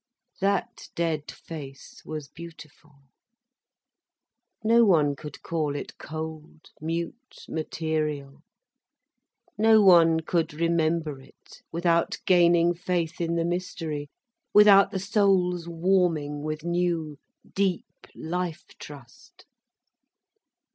That dead face was beautiful, no one could call it cold, mute, material. No one could remember it without gaining faith in the mystery, without the soul's warming with new, deep life trust.